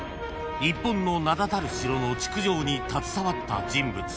日本の名だたる城の築城に携わった人物］